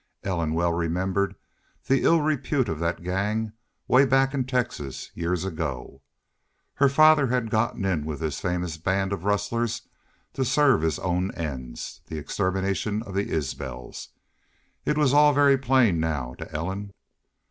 Ellen well remembered the ill repute of that gang, way back in Texas, years ago. Her father had gotten in with this famous band of rustlers to serve his own ends the extermination of the Isbels. It was all very plain now to Ellen.